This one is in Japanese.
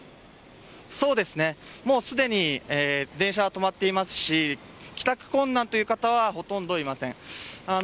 もうすでに電車は止まっていますし帰宅困難という方はほとんどいません。